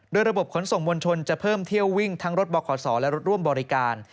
โดยระบบขนส่งมวลชนจะเพิ่มเที่ยววิ่งทั้งรถบขศและรถร่วมบริการ